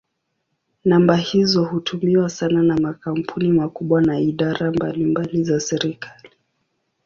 Namba hizo hutumiwa sana na makampuni makubwa na idara mbalimbali za serikali.